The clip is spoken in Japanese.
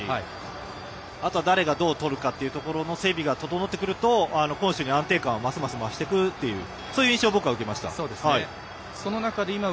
チャンスがなかったわけでもないですし、あとは誰がどう取るかのところの整備が整ってくると攻守の安定感がますます増していくというそういう印象を僕は受けました。